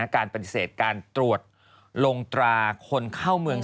การปฏิเสธการตรวจลงตราคนเข้าเมือง